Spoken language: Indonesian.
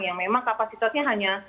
yang memang kapasitasnya hanya